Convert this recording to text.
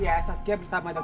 iya saskia bersama dr aditya bu